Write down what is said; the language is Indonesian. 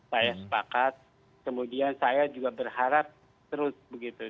saya sepakat kemudian saya juga berharap terus begitu